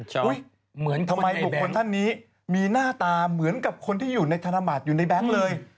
เหมือนคนในแบงค์ทำไมทุกคนท่านนี้มีหน้าตาเหมือนกับคนที่อยู่ในธนาบาลอยู่ในแบงค์เลย